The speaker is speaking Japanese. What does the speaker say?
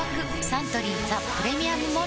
サントリー「ザ・プレミアム・モルツ」